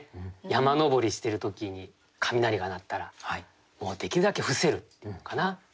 山登りしてる時に雷が鳴ったらできるだけ伏せるっていうのかな。